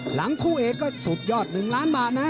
หลังคู่เอกก็สุดยอด๑ล้านบาทนะ